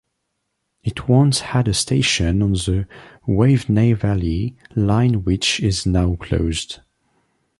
It once had a station on the Waveney Valley Line which is now closed.